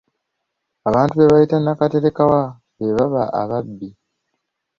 Abantu be bayita nakaterekawa be baba ababbi.